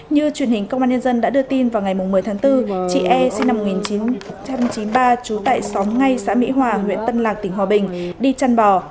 như truyền hình công an nhân dân đã đưa tin vào ngày một mươi tháng bốn chị e sinh năm một nghìn chín trăm chín mươi ba trú tại xóm ngay xã mỹ hòa huyện tân lạc tỉnh hòa bình đi chăn bò